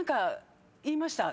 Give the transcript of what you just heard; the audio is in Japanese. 言いました。